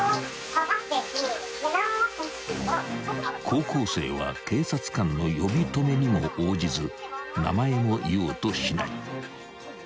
［高校生は警察官の呼び止めにも応じず名前も言おうとしない］